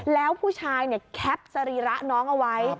แล้วผู้ชายเนี่ยแคปสรีระน้องเอาไว้